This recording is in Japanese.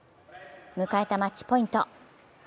迎えたマッチポイント。